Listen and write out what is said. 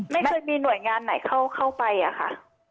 ไม่เคยมีหน่วยงานไหนเข้าไปอะค่ะ